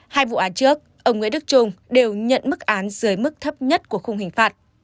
hai vụ án trước ông nguyễn đức trung đều nhận mức án dưới mức thấp nhất của khung hình phạt